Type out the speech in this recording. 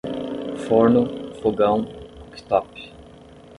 Forno, fogão, cooktop